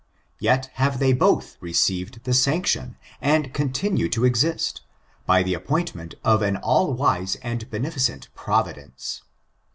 Yet have they botii received tbm sanclion, and continue to exist, by the appointment of an all wise and beneficent P^vidence.